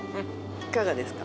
いかがですか？